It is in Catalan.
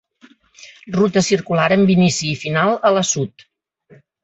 Ruta circular amb inici i final a l'Assut.